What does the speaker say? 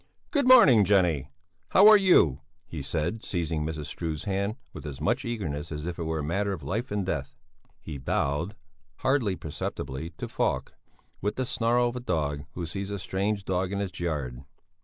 "Good morning, Jenny! How are you?" he said, seizing Mrs. Struve's hand with as much eagerness as if it were a matter of life and death. He bowed, hardly perceptibly, to Falk, with the snarl of a dog who sees a strange dog in its yard.